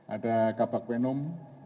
ada kabak penum